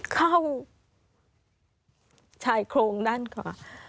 เข้าชายโครงด้านขวา